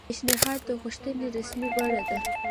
پیشنھاد د غوښتنې رسمي بڼه ده